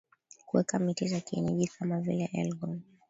kuweka miti za kienyeji kama vile elgon b